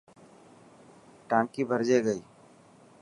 ٽانڪي ڀرجي گئي.